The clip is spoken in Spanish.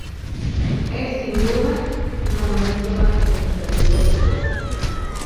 Es sin duda, el monumento más representativo del pueblo.